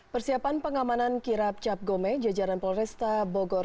persiapan pengamanan kirap cap gome jajaran polresta bogor